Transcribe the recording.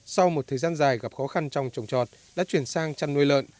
sau một thời gian dài gặp khó khăn trong trồng trọt đã chuyển sang chăn nuôi lợn